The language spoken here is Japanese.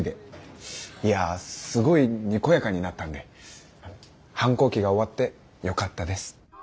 いやすごいにこやかになったんで反抗期が終わってよかったです。